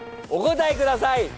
お答えください。